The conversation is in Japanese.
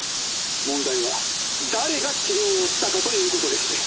「問題は誰が治療をしたかということでして」。